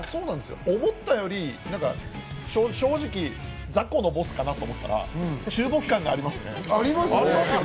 思ったより正直、ザコのボスかなと思ったら中ボス感がありますね。